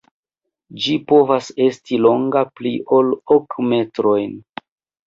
Ĝi povas esti longa pli ol ok metrojn.